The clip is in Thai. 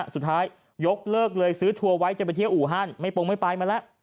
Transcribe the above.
ยกเลิกเลยซื้อทัวร์ไว้จะไปเที่ยวอู่ฮั่นไม่ปงไม่ไปมาแล้ว